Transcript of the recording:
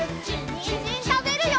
にんじんたべるよ！